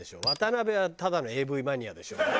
渡辺はただのＡＶマニアでしょ。